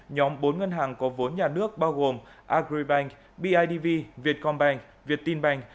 nhóm bốn ngân hàng có vốn nhà nước bao gồm agribank bidv vietcombank viettinbank